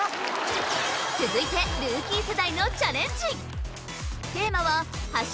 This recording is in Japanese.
続いてルーキー世代のチャレンジ！